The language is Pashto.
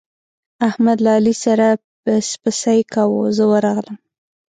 احمد له علي سره پسپسی کاوو، زه ورغلم.